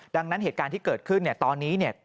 ดังนั้นเหตุการณ์ที่เกิดขึ้นตอนนี้